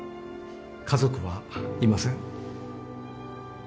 家族はいません。